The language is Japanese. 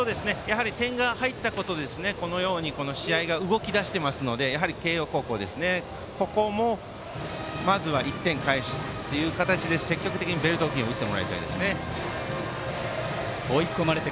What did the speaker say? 点が入ったことで試合が動き出してますので慶応高校、ここもまずは１点をかえすという形で積極的にベルト付近を打ってもらいたいですね。